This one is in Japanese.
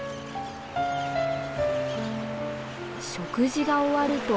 食事が終わると。